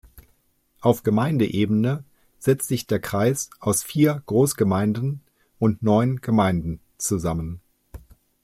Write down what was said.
Auf Gemeindeebene setzt sich der Kreis aus vier Großgemeinden und neun Gemeinden zusammen.